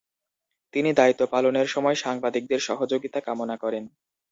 তিনি দায়িত্ব পালনের সময় সাংবাদিকদের সহযোগিতা কামনা করেন।